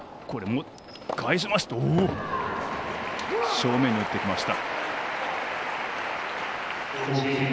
正面に打ってきました。